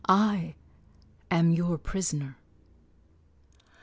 "I am your prisoner."